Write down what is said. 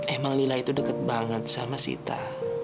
emang lila itu dekat banget sama sita